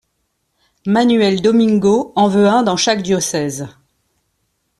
Manuel Domingo en veut un dans chaque diocèse.